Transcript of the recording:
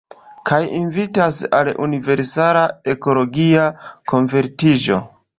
Kaj invitas al universala ekologia konvertiĝo.